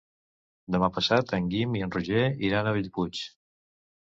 Demà passat en Guim i en Roger iran a Bellpuig.